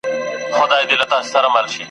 چي په تا یې رنګول زاړه بوټونه !.